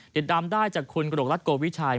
ติดตามได้จากคุณกระดกรัฐโกวิชัย